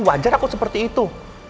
wajar aku seperti itu